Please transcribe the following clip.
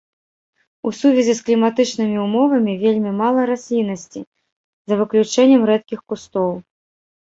У сувязі з кліматычнымі ўмовамі вельмі мала расліннасці, за выключэннем рэдкіх кустоў.